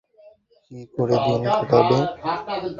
কী করে দিন কাটাবে?